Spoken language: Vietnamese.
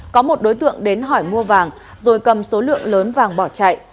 có một đối tượng đến hỏi mua vàng rồi cầm số lượng lớn vàng bỏ chạy